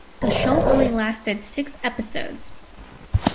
The show only lasted six episodes.